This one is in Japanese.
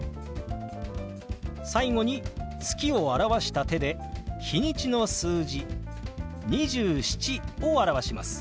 最後に「月」を表した手で日にちの数字「２７」を表します。